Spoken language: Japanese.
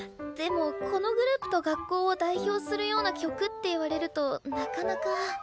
でもこのグループと学校を代表するような曲って言われるとなかなか。